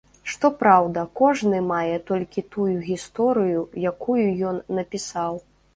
Што праўда, кожны мае толькі тую гісторыю, якую ён напісаў.